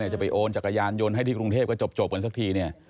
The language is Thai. จะไปโอนจักรยานยนต์ให้ที่กรุงเทพก็จบกันสักทีเนี่ย